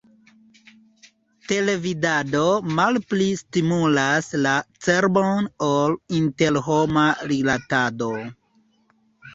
Televidado malpli stimulas la cerbon ol interhoma rilatado!